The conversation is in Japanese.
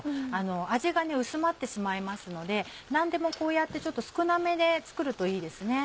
味が薄まってしまいますので何でもこうやってちょっと少なめで作るといいですね。